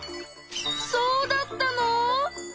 そうだったの？